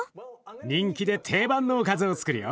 人気で定番のおかずをつくるよ。